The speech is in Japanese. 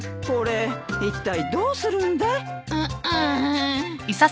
これいったいどうするんだい？